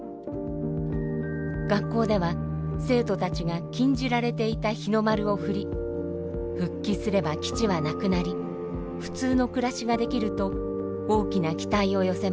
学校では生徒たちが禁じられていた日の丸を振り復帰すれば基地はなくなり普通の暮らしができると大きな期待を寄せました。